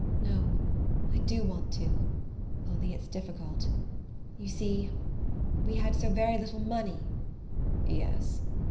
"No; I do want to; only it's difficult. You see we had so very little money...." "Yes?"